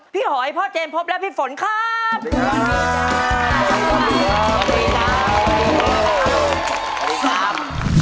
หอยพ่อเจนพบและพี่ฝนครับ